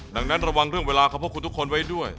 ดังนั้นระวังเรื่องเวลาของพวกคุณทุกคนไว้ด้วย